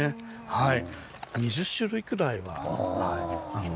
はい。